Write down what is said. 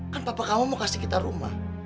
kan papa kamu mau kasih kita rumah